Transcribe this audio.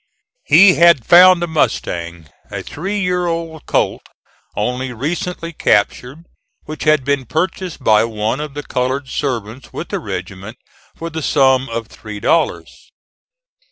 He had found a mustang, a three year old colt only recently captured, which had been purchased by one of the colored servants with the regiment for the sum of three dollars.